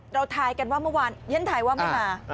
เราถ่ายกันว่ามีวานเลี้ยนถ่ายว่ามีมา